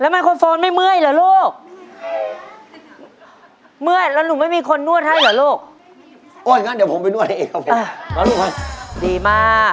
ไมโครโฟนครับครับผม